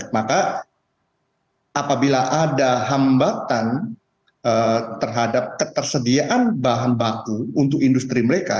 maka apabila ada hambatan terhadap ketersediaan bahan baku untuk industri mereka